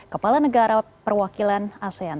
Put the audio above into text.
kepala negara perwakilan asean